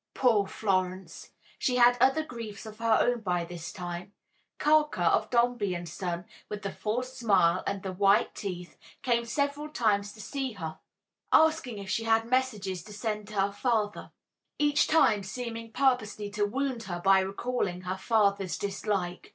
Poor Florence! She had other griefs of her own by this time. Carker, of Dombey and Son, with the false smile and the white teeth, came several times to see her, asking if she had messages to send to her father each time seeming purposely to wound her by recalling her father's dislike.